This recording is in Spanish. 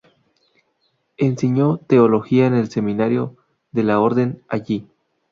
Enseñó teología en el seminario de la orden allí.